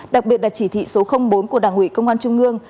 đặc biệt là chỉ thị số bốn của đảng ủy công an trung ương